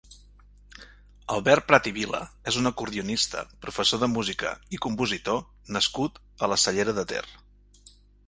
Albert Prat i Vila és un acordionista, professor de música i compositor nascut a la Cellera de Ter.